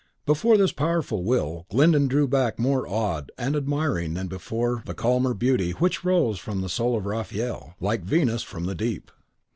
Before this powerful will, Glyndon drew back more awed and admiring than before the calmer beauty which rose from the soul of Raphael, like Venus from the deep.